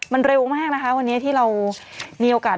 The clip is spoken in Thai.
มันเร็วมากนะคะวันนี้ที่เรามีโอกาส